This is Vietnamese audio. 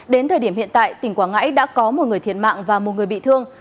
đến thời điểm hiện tại tỉnh quảng ngãi đã có một người thiệt mạng và một người bị thương